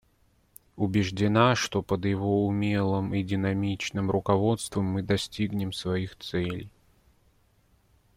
Убеждена, что под его умелым и динамичным руководством мы достигнем своих целей.